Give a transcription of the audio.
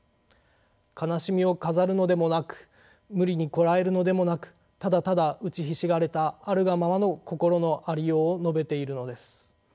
悲しみを飾るのでもなく無理にこらえるのでもなくただただ打ちひしがれたあるがままの心のありようを述べているのです。